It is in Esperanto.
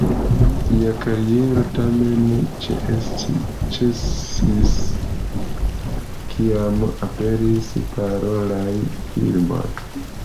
Lia kariero tamen ĉesis, kiam aperis parolaj filmoj.